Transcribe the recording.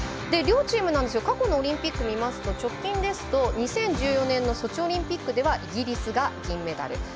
両チームなんですが過去のオリンピック見ますと直近ですと２０１４年のソチオリンピックではイギリスが銀メダル。